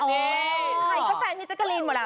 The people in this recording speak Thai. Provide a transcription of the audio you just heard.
ใครก็แฟนมิวเจ๊กกะรีนหมดละ